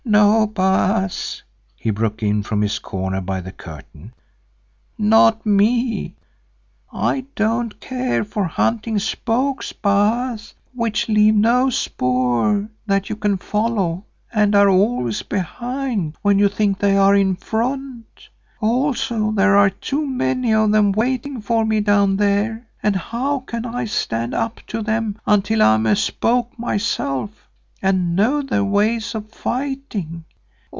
"No, Baas," he broke in from his corner by the curtain, "not me. I don't care for hunting spooks, Baas, which leave no spoor that you can follow and are always behind when you think they are in front. Also there are too many of them waiting for me down there and how can I stand up to them until I am a spook myself and know their ways of fighting?